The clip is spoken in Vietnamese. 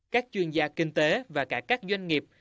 các chuyên gia kinh tế và cả các doanh nghiệp